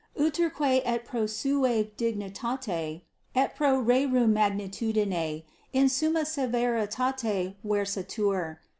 Uterque et pro sua dignitate et pro rerum magnitudine in summa severitate versatur.